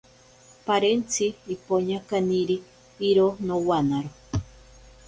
Parentzi ipoña kaniri iro nowanaro.